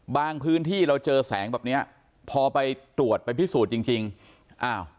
พื้นที่เราเจอแสงแบบเนี้ยพอไปตรวจไปพิสูจน์จริงจริงอ้าว